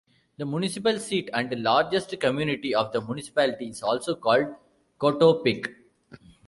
The municipal seat and largest community of the municipality is also called Coatepec.